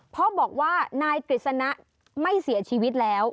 พ่อบอกว่านายกฤษณะไม่เสียชีวิตแล้ว